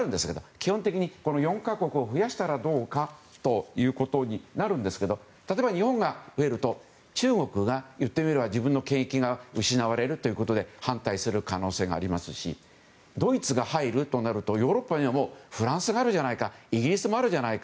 基本的にこの４か国を増やしたらどうかということになるんですが例えば日本が増えると中国が自分の権益が失われるということで反対する可能性がありますしドイツが入るとなるとヨーロッパにはフランスがあるじゃないかイギリスもあるじゃないか